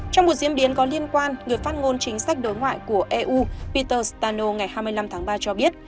trong một diễn biến có liên quan người phát ngôn chính sách đối ngoại của eu peter stano ngày hai mươi năm tháng ba cho biết